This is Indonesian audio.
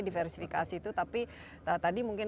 diversifikasi itu tapi tadi mungkin